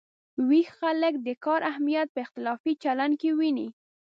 ویښ خلک د کار اهمیت په اختلافي چلن کې ویني.